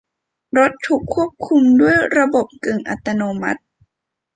รถถูกควบคุมด้วยระบบกึ่งอัตโนมัติ